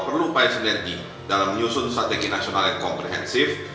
perlu upaya sinergi dalam menyusun strategi nasional yang komprehensif